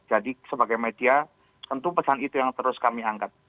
jadi sebagai media tentu pesan itu yang terus kami angkat